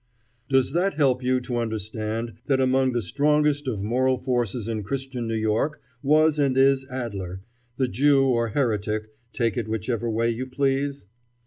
Does that help you to understand that among the strongest of moral forces in Christian New York was and is Adler, the Jew or heretic, take it whichever way you please?